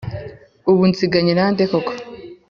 ubu unsiganyena nde koko?